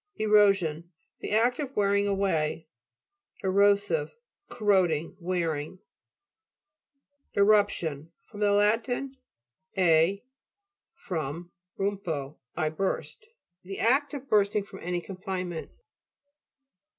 ERO'SION The act of wearing away. ERO'SIVE Corroding, wearing. ERRATIC BLOCK FORMATION (p. 93). ERU'PTIOST fr. lat. e, from, rumpo, I burst. The act of bursting from any confinement.